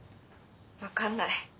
分かんない。